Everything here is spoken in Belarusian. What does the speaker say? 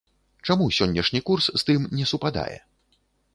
Чаму сённяшні курс з тым не супадае?